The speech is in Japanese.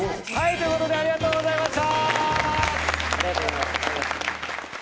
ということでありがとうございました！